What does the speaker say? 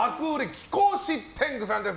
貴公子天狗さんです。